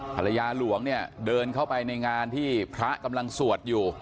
ภรรยาหลวงเนี่ยเดินเข้าไปในงานที่พระกำลังสวดอยู่